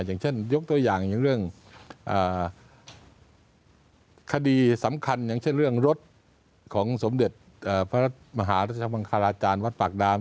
อย่างเช่นยกตัวอย่างอย่างเรื่องคดีสำคัญอย่างเช่นเรื่องรถของสมเด็จพระมหารัชมังคาราจารย์วัดปากดาม